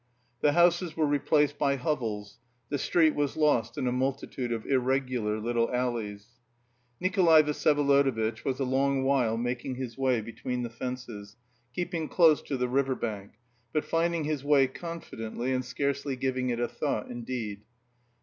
The houses were replaced by hovels; the street was lost in a multitude of irregular little alleys. Nikolay Vsyevolodovitch was a long while making his way between the fences, keeping close to the river bank, but finding his way confidently, and scarcely giving it a thought indeed.